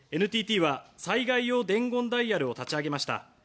ＮＴＴは災害用伝言ダイヤルを立ち上げました。